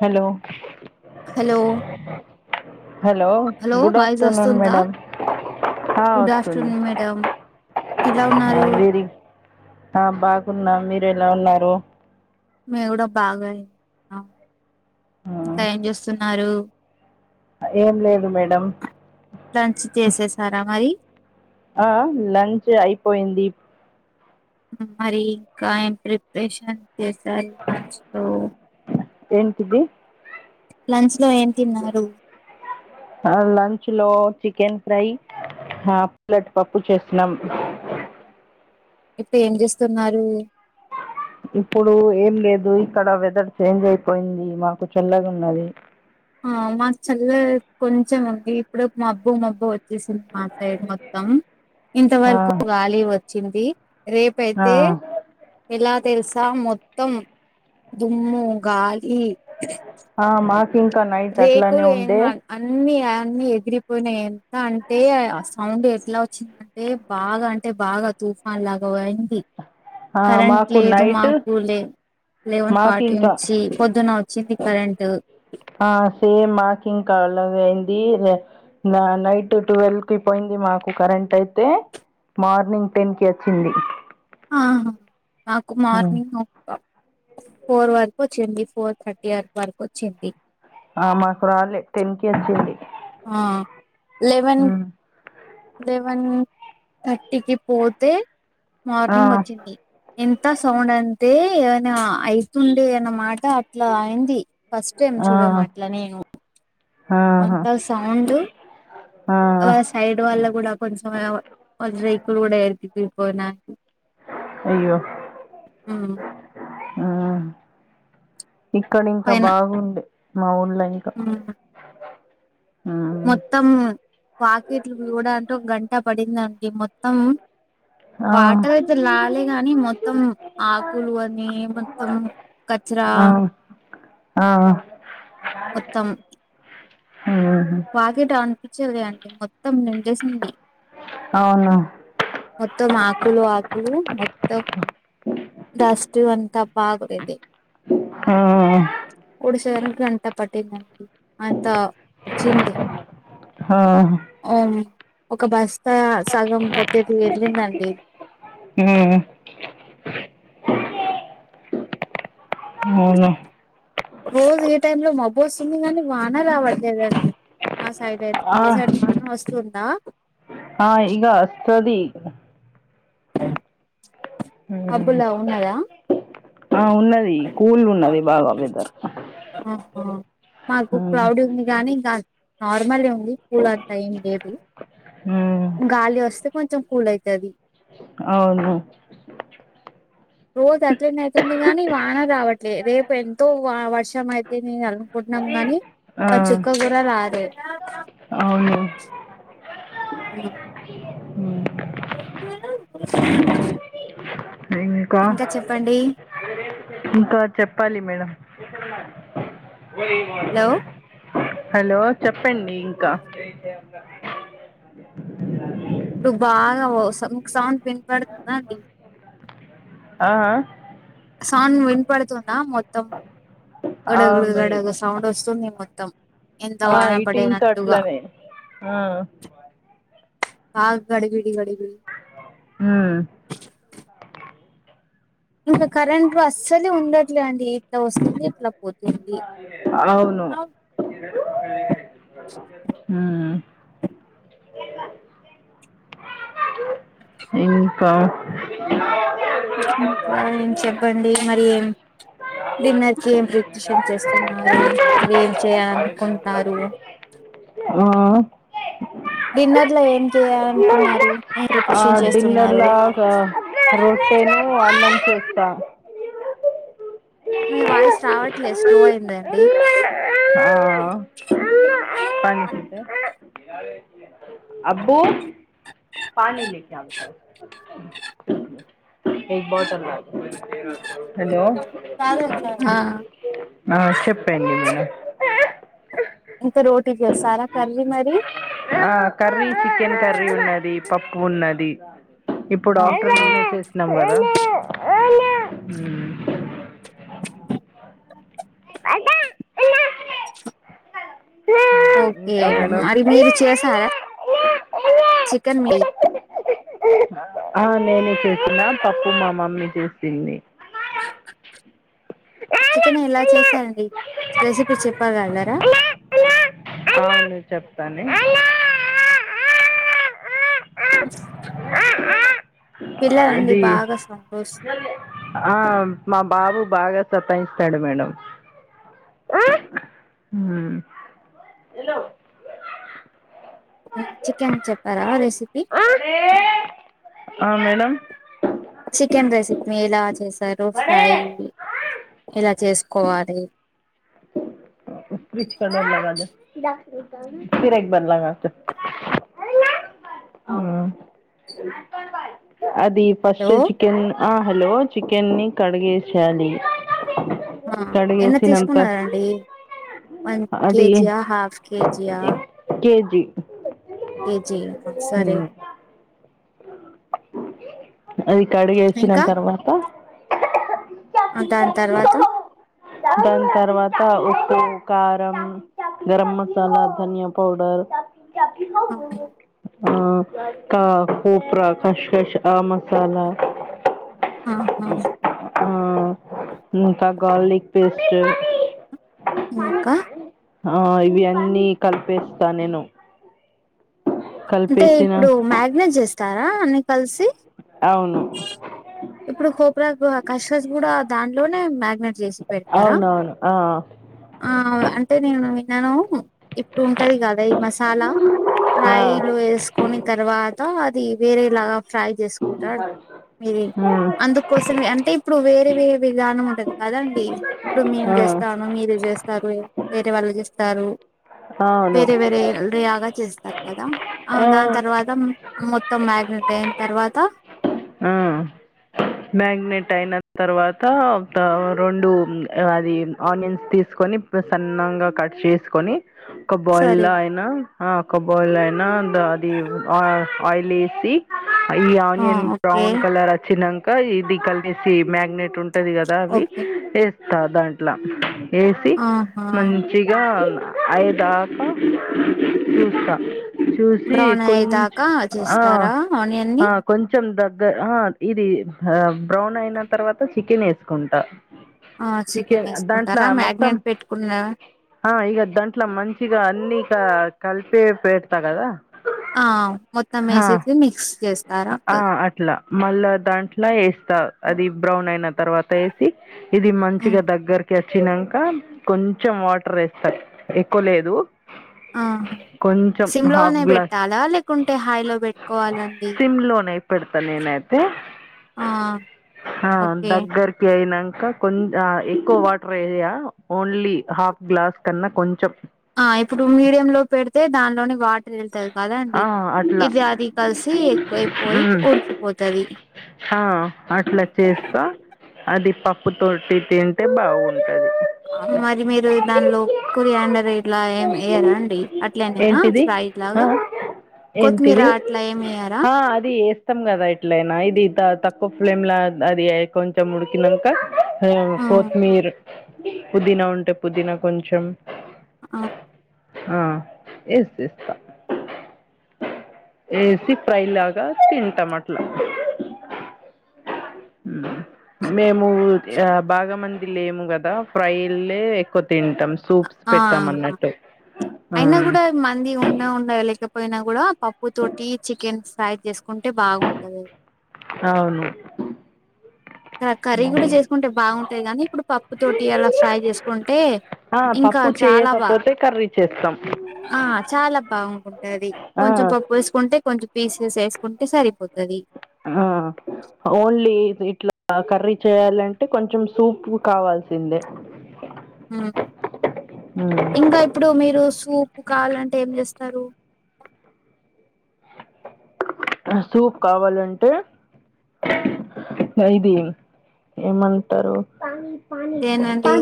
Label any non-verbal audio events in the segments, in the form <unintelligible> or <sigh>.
Hello hello hello hello good voice afternoon వస్తుందా madam హా good వస్తుంది ఆఫ్టర్నూన్ మేడం ఎలా ఉన్నారు వీడికి ఆ బాగున్నా మీరు ఎలా ఉన్నారు మే కూడా బాగున్నాం ఆ, ఇంకా ఏం చేస్తున్నారు ఏం లేదు మేడం లంచ్ చేసేసారా మరి ఆ లంచ్ అయిపోయింది మరి ఇంకా ఏం ప్రిపరేషన్ చేసారు లంచ్ లో ఏంటిది లంచ్ లో ఏం తిన్నారు ఆ లంచ్ లో చికెన్ ఫ్రై హా హాఫ్ ప్లేట్ పప్పు చేసిన్నాం ఇప్పుడు ఏం చేస్తున్నారు ఇప్పుడు ఏం లేదు ఇక్కడ వెదర్ చేంజ్ అయిపోయింది మాకు చల్లగా ఉండాలి ఆ మాకు చల్ల కొంచెం ఉంది ఇప్పుడు మబ్బు మబ్బు వచ్చ కురిసింది మా సైడ్ మొత్తం ఇంత ఆ, వరకు గాలి వచ్చింది రేపు ఆ, అయితే ఎలా తెలుసా మొత్తం దుమ్ము గాలి ఆ, మాకు ఇంకా నైట్ అట్లానే రేకులు ఏం ఉండే కాదు అన్ని అయన్ని అన్ని ఎగిరిపోయిన్నాయి ఎంత అంటే ఆ సౌండ్ ఎట్లా వచ్చిందంటే బాగా అంటే బా బాగా తుఫాన్ లాగా పోయింది ఆ, కరెంట్ మాకు లేదు నైట్ మాకు లే లెవెన్ మాకు ఫార్టీ ఇంకా నుంచి పొద్దున వచ్చింది కరెంట్ ఆ సేమ్ మాకు ఇంకా అలాగే వుంది నిన్న నైట్ ట్వెల్ కి పోయింది మాకు కరెంట్ అయితే మార్నింగ్ టెన్ కి వచ్చింది ఆహా మాకు హ్మ్. మార్నింగ్ ఫోర్ వరకు వచ్చింది ఫోర్ థర్టీ వరకు వచ్చింది ఆ మాకు రాలే టెన్ కి వచ్చింది ఆ లెవెన్ హ్మ్. లెవెన్ తర్టీ ఇంటికి పోతే ఆ మార్నింగ్ వచ్చింది ఎంత సౌండ్ అంటే ఏదన్న అయితుండే అనమాట అ అట్లా అయింది ఫస్ట్ టైం ఆ చూడం అట్లా నేను ఆహా అంత సౌండ్ ఆ సైడ్ వాళ్ళ కూడా కొంచెం రేకులు కూడా ఎరికిపోయినాయి అయ్యో ఉమ్ హు ఇక్కడ ఇంకా పైన బాగుండే మా ఊళ్ళ ఇంకా ఉమ్ హ్మ్. మొత్తం పాకెట్లు ఇవడానికి గంట పడిందండి మొత్తం ఆ వాటర్ అయితే లాలే గానీ మొత్తం ఆకులు అని మొత్తం కచరా ఆ ఆ హ్మ్. వాగేట అనిపించలే అండి మొత్తం నిండేసింది అవునా మొత్తం ఆకులు ఆకులు మొత్తం <inaudible> ఫస్ట్ వన్ ఇంకా బాగా ఉన్నింది ఆ గంట పట్టిందండి అంత వచ్చింది హా అవును ఒక బస్తా సగం పెద్దది వెళ్ళిందండి హు అవునా రోజు ఈ టైం లో మబ్బు వస్తుంది కానీ వాన రావట్లేదండి మా సైడ్ అయితే ఆ, మీ సైడ్ బానే వస్తుందా ఆ ఇగ వస్తది ఉమ్, మబ్బులా ఉన్నదా ఆ ఉన్నది కూల్ ఉన్నది బాగా వెదర్ ఆహా మాకు ఉమ్, క్లౌడ్ ఉంది గానీ ఇంకా నార్మలే ఉంది కూల్ అట్లా ఏం లేదు ఉమ్, గాలి వస్తే కొంచెం కూల్ అయితది అవును రోజు అట్లనే అయితుంది గానీ వాన రావట్లే రేపు ఎంతో వర్షం అయితే నేను అనుకుంట న్నాము గాని ఆ, ఒక చుక్క కూడా రాలేదు అవును అ ఉమ్, ఇంకా ఇంకా చెప్పాలి మేడం హలో <inaudible> హలో చెప్పండి ఇంకా ఇప్పుడు బాగా సౌం వినిపడుతుందా అండి ఆ ఆ సౌండ్ వినపడుతుందా మొత్తం గడ ఆ, అవును గడ సౌండ్ వస్తుంది మొత్తం ఎంత ఆ, వాన ఇటు ఇంకా పడినట్టగా అట్లనే ఆ, ఆ గడిబిడి గడిబిడి ఆ ఇంకా కరెంట్ అస్సలే ఉండట్లే అండి ఇట్లా వస్తుంది ఇట్లా పోతుంది అవును యేంగాన్ ఇంకా ఇంకా ఏం చెప్పండి మరి ఏం డిన్నర్ కి ఏం ప్రిపరేషన్ చేస్తున్నారు మరి ఏం చేయాలనుకుంటున్నారు ఆ డిన్నర్ లో ఏం చేయాలనుకున్నారు ఏం ఆ ప్రిపరేషన్ చేస్తున్నారు డిన్నర్లా రొట్టెను అన్నం చేస్తా మీ వాయిస్ రావట్లేదు స్లో అయిందండి ఆ అబ్బు హలో కాదు అట్లా నౌ చెప్పేయండి మీను ఇంక రోటీ చేసారా కర్రి ఆ కర్రీ చికెన్ కర్రీ ఉన్నది పప్పు ఉన్నది ఇప్పుడు ఆహా ఆఫ్టర్నూనే చేసినం కదా మ్మ్. అంటే ఓకే ఇంకా మేడం మరి మీరు చేసారా చికెన్ మీ అ చేసిన పప్పు మా మమ్మీ చేసింది చికెన్ ఎలా చేసారండి రెసిపీ చెప్పగలరా అవును చెప్తానీ బస్ అది సౌండ్ వస్తుంది ఆ మా బాబు బాగా సతాయిస్తాడు మేడం మ్మ్. చికెన్ చెప్పారా రెసిపీ ఆ మేడం చికెన్ రెసిప్ని ఎలా చేస్తారు ఫ్రై ఎలా చేసుకోవాలి ఫ్రిచ్క బదు సిిరేక్ బలాగాత హ్మ్ అది లో ఫస్ట్ చికెన్ ఆ హలో చికెన్ని కడిగేసయాలి ఆ ఎన్న తీసుకున్నరండి వన్ అది కేజియా హాఫ్ కేజియా జి కెజీ సరే అది కడిగేసిన ఇంకా తర్వాత ఆ దాని తర్వాత దాని తర్వాత ఉప్పు కారం గరం మసాలా ధనియా పౌడర్ ఆ ఆ కా కొపరా కష్ కష్ ఆ మసాలా ఆహా ఆ ఇంకా గార్లిక్ పేస్ట్ ఇంకా ఆ ఇవి అన్నీ కలిపేస్తా నేను అంటే కలిపేసిన ఇప్పుడు మ్యాగ్నెట్స్ వేస్తారా అన్నీ కలిసి అవును ఇప్పుడు కోప్రా కో కసస్ కూడా దాంట్లోనే మ్యాగ్ మీర్ చేసి పెడతారా అవునవును ఆ ఆ అంటే నేను విన్నాను ఇప్పుడు ఉంటయ్ కదా ఈ మసాలా ఆ ఫ్రైలు వేసుకొని తర్వాత ఇది వేరే లాగా ఫ్రై చేసుకుంటా ఇది ఆ అందుకోసం అంటే ఇప్పుడు వేరే వేరే విధానం ఉంటది కదా అండి ఇప్పుడు మేమె ఆ చేస్తాను మీరే చేస్తారు వేరే వాళ్ళు చేస్తారు అవును వేరే వేరే ర్యాగా చేస్తారు కదా ఆ దాన్ తర్వాత ఉమ్ మొత్తం మ్యాగ్నెట్ అయిన్ తర్వాత ఆ మ్యాగ్నేట్ అయిన తర్వాత త రెండు అది ఆనియన్స్ తీసుకొ కొని ప్ సన్నంగా కట్ చేసుకొని ఒక్క సరే బాయిల్లో అయినా ఆ ఒక్క బాయిల్లో అయినా అది ఆ ఆయిల్ ఏసి ఈ ఆ ఆనియన్ ఓకే బ్రౌన్ కలర్ వచ్చినం క ఇది కలిసి మ్యాగ్నెట్ ఉంటది కదా అవి ఓకే వేత్తా దాంట్లా వేసి ఆహా మంచిగా మ్ ఐయ్యేదాకా చూస్తా చూసి బ్రౌన్ కొంచ్ అయేదాకా ఆ చేస్తారా ఆనియన్ ని ఆ కొంచెం దగ్గ ఆ ఇది హా బ్రౌన్ అయిన తర్వాత చికెన్ వేసుకుంటా ఆ చికెన్ దాంట్లో వేసుకుంటారా మొత్తం మ్యాగ్నేట్ పెట్టుకున్నా ఆ ఇగ దాంట్లో మంచిగా అన్నీ క కలిసే పేట్తా గదా ఆ మొత్తం హా వేసేసి మిక్స్ చేస్తారా ఆ కల్ అట్లా మళ్ళా దాంట్ల్ వేస్తా అది బ్రౌన్ అయిన తర్వాత వేసి ఇది మంచిగా ఉమ్ దగ్గరకెస్ చ్చినాంక కొంచెం వాటర్ వేస్తా ఎక్కువ లేదు ఆ కొంచెం సిమ్ హాఫ్ లోనే గ్లాస్ పెట్టాలా లేకుంటే హైయ్ లో పెట్టుకోవాల అండి సిమ్ లోనే పెడతా నేనైతే ఆ ఆ ఓకే దగ్గరికి అయినం కా కొంచ ఎక్కువ వాటర్ ఎయ్యా ఓన్లీ హాఫ్ గ్లాస్ కన్నా కొంచెం ఆ ఇప్పుడు మీడియం లో పెడితే దానిలోని వాటర్ వెళ్తది కదా ఆ అండి అట్లా ఇది అది కలిసి ఎక్కువైపోయి ఉమ్ ఉడికిపోతది ఆ అట్లా చేస్తా అది పప్పు తోటి తింటే బాగుంట మరి మీరు దానిలో కురియాండర్ ఇట్లా ఏమ్ వెయ్యరా అండి అట్లనేనా ఏంటిది స్ప్ర్ ఎట్లాగ ఆ ఏంటిది ఆ అది వేత్తాం కదా ఎట్లయినా ఇది త తక్కువ ఫ్లేమ్ ల అది కొంచెం ఉడికినంక ఆ కొత్త్మీర్ పుదీనా ఉంటే పుదీనా కొంచెం ఆ ఆ ఎసేస్తా ఏసి ఫ్రై లాగా తింటాం అట్ల ఉమ్ మేము బాగా మంది లేము కదా ఫ్రైలే ఎక్కు తింటాం సూప్స్ ఆ పెట్టాం అన్నట్టు హా అయినా కూడా మంది ఉండ ఉన్నా లేకపోయినా కూడా పప్పు తోటి చికెన్ స్పై చేసుకుంటే బాగుంటది అవును ఇ కర్రీ కూడా చేసుకుంటే బాగుంటాది గానీ ఇప్పుడు పప్పు తోటి అలా ఫ్రై చేసుకుంటే ఆ ఇంకా పప్పు చాలా బా చేయకపోతే కర్రీ చేస్ ఆ చాలా బా గుంటాది ఆ కొంచెం పప్పేసుకుంటే కొంచెం పీసెస్ ఎసుకుంటే సరిపోతది. ఆహా ఓన్లీ ఇది ఇట్లా కర్రీ చేయాలంటే కొంచెం సూప్ కావాల్సిందే హ్మ్ ఉమ్. ఇంకా ఇప్పుడు మీరు సూప్ <unintelligible> కావాలంటే ఏం చేస్తారు వస్తువు కావాలంటే మరి దియం ఏమంటారు ఏమైంది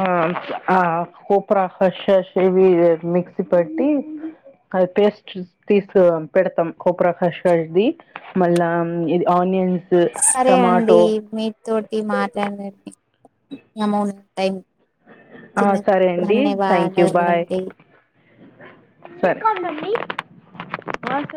ఆహా ఆహా కోపురా వచ్చేసేది <unintelligible> మిక్సి పట్టి కరెంట్ గా సిక్సటీ ఫోర్ పెడతం కోప్రా ఫస్ట్ రోజ్ది మళ్ళా ఇది ఆనియన్స్ సరే అండి టమాటో మీ తోటి మాట్లాడ్నట్టే అమౌంట్ టైం ఆ చిన్న సరే అండి థ్యాంక్ యూ బాయ్ ధన్యవాదాలండి సరే ఆ సరే